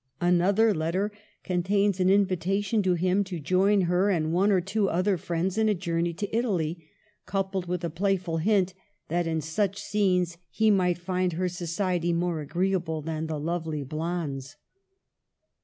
Another letter contains an invitation to him to join her and one or two other friends in a journey to Italy, coupled with a playful hint that in such scenes he might find her society more agreeable than the lovely blonde's.